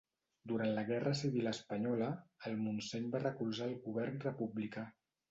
Durant la guerra civil espanyola, el Montseny va recolzar el govern republicà.